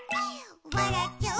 「わらっちゃう」